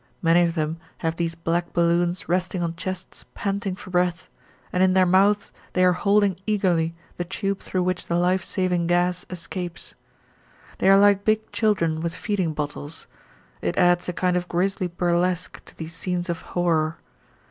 Many of them have these black balloons resting on chests panting for breath, and in their mouths they are holding eagerly the tube through which the life saving gas escapes. They are like big children with feeding bottles; it adds a kind of grisly burlesque to these scenes of horror.